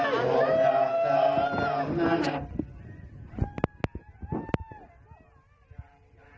สวัสดีค่ะ